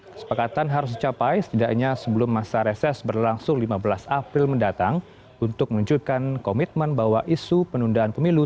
kesepakatan harus dicapai setidaknya sebelum masa reses berlangsung lima belas april mendatang untuk menunjukkan komitmen bahwa isu penundaan pemilu